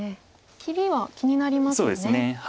切りは気になりますよね。